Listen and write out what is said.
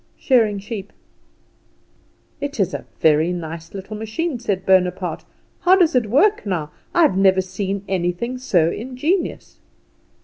"Shearing sheep." "It is a very nice little machine," said Bonaparte. "How does it work, now? I have never seen anything so ingenious!"